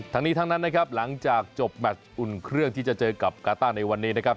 ทั้งนี้ทั้งนั้นนะครับหลังจากจบแมทอุ่นเครื่องที่จะเจอกับกาต้าในวันนี้นะครับ